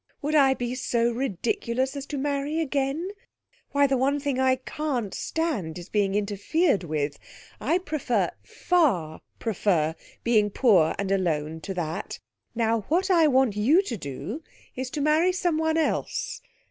Would I be so ridiculous as to marry again? Why, the one thing I can't stand is being interfered with! I prefer, far prefer, being poor and alone to that. Now what I want you to do is to marry someone else.